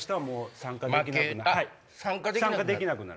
参加できなくなる？